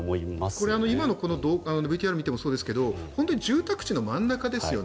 これは今のＶＴＲを見てもそうですけど本当に住宅地の真ん中ですよね。